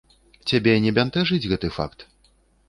Цябе не бянтэжыць гэты факт?